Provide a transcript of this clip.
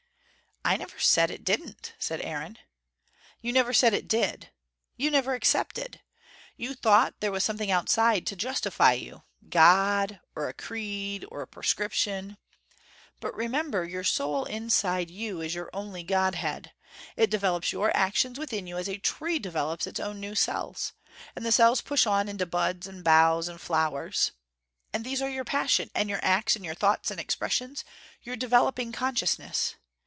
"I never said it didn't," said Aaron. "You never said it did. You never accepted. You thought there was something outside, to justify you: God, or a creed, or a prescription. But remember, your soul inside you is your only Godhead. It develops your actions within you as a tree develops its own new cells. And the cells push on into buds and boughs and flowers. And these are your passion and your acts and your thoughts and expressions, your developing consciousness.